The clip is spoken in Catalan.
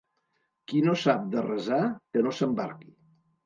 Qui no sap de resar que no s'embarqui.